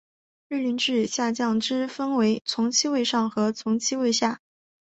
律令制下将之分为从七位上和从七位下。